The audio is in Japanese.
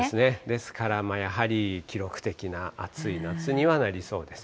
ですからやはり、記録的な暑い夏にはなりそうです。